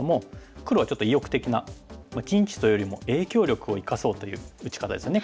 黒はちょっと意欲的な陣地というよりも影響力を生かそうという打ち方ですよね